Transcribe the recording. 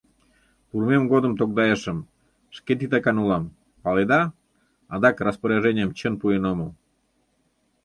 Пурымем годым тогдайышым: шке титакан улам, паледа, адак распоряженийым чын пуэн омыл.